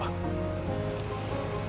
yaudah mama liat nino sebentar ya pak